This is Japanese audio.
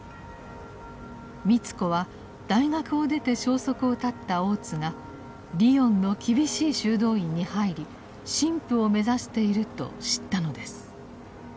美津子は大学を出て消息を絶った大津がリヨンの厳しい修道院に入り神父を目指していると知ったのです。